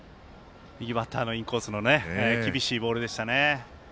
右バッターのインコースの厳しいボールでしたね。